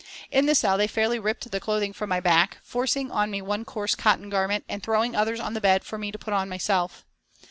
In the cell they fairly ripped the clothing from my back, forcing on me one coarse cotton garment and throwing others on the bed for me to put on myself.